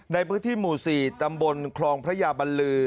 ในพื้นที่หมู่๔ตำบลคลองพระยาบรรลือ